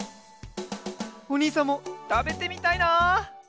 おにいさんもたべてみたいな！